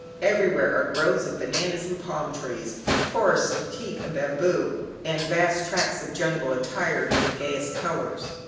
Everywhere are groves of bananas and palm trees, forests of teak and bamboo, and vast tracks of jungle, attired in the gayest colours.